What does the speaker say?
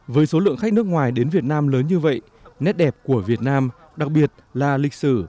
với số lượng khách nước ngoài đến việt nam lớn như vậy nét đẹp của việt nam đặc biệt là lịch sử